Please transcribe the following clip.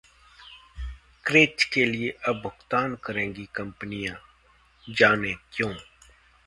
creche के लिए अब भुगतान करेंगी कंपनियां, जानें क्यों